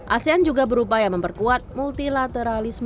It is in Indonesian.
asean juga berupaya memperkuat multilateralisme